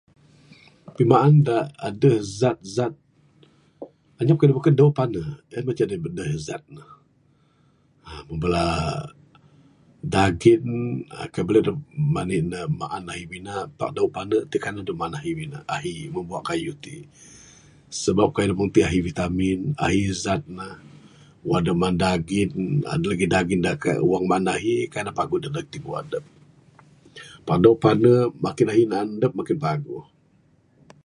Pimaan dak adeh zat-zat inyap keyuh dak beken dawe pane en mah dak ahi zat ne. Ha mung bala daging aaa kai buleh adep menik ne maan ahi bina, pak daun pane ti kan ahi mung bua keyuh ti sebab keyuh dak mung ti ahi vitamin, ahi zat ne wang dep maan daging adeh legi daging dak wang adep maan ahi kai ne paguh dedek tibu adep. Pak daun pane makin ahi adep maan ne makin paguh.